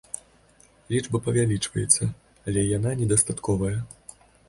Лічба павялічваецца, але яна не дастатковая.